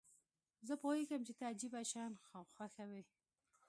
زه پوهیږم چې ته عجیبه شیان خوښوې.